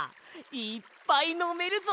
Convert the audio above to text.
いっぱいのめるぞ！